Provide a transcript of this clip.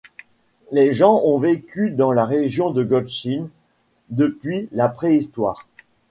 Les gens ont vécu dans la région de Godshill depuis la préhistoire.